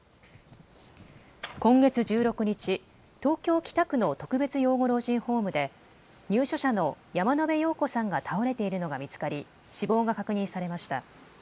今月１６日、東京北区の特別養護老人ホームで入所者の山野邉陽子さんが倒れているのが見つかり死亡が確認されました。